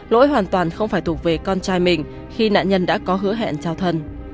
lỗi hoàn toàn không phải thuộc về con trai mình khi nạn nhân đã có hứa hẹn giao thân